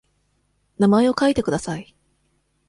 名前を書いてください。